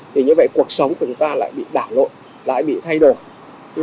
thì như vậy cuộc sống của chúng ta lại bị đảo lộn lại bị thay đổi